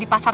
gak pr nur